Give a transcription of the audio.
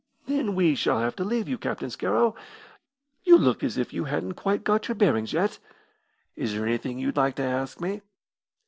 "Then we shall have to leave you, Captain Scarrow. You look as if you hadn't quite got your bearings yet. Is there anything you'd like to ask me?"